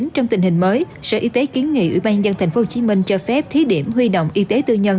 trong tình hình mới sở y tế kiến nghị ủy ban nhân tp hcm cho phép thí điểm huy động y tế tư nhân